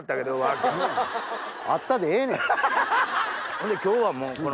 ほんで今日はこの。